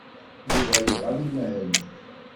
Yuba yebɣa ad imahel.